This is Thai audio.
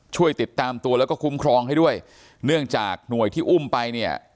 ช่วยติดตามตัวแล้วก็คุ้มครองให้ด้วยเนื่องจากหน่วยที่อุ้มไปเนี่ย